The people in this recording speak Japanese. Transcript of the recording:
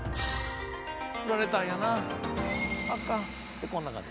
「振られたんやなアカン」ってこんな感じ。